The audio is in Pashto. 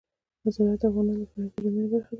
زراعت د افغانانو د فرهنګي پیژندنې برخه ده.